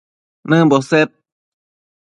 nëmbo sed